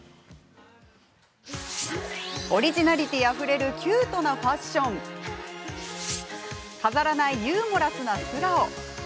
オリジナリティーあふれるキュートなファッション飾らないユーモラスな素顔